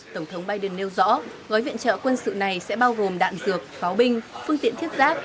tổng thống biden nêu rõ gói viện trợ quân sự này sẽ bao gồm đạn dược pháo binh phương tiện thiết giáp